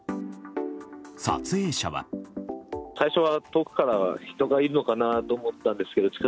撮影者は。